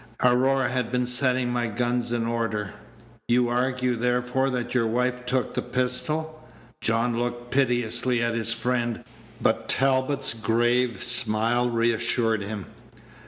"Aurora had been setting my guns in order." "You argue, therefore, that your wife took the pistol?" John looked piteously at his friend; but Talbot's grave smile reassured him.